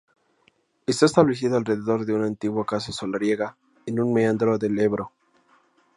Está establecido alrededor de una antigua casa solariega, en un meandro del Ebro.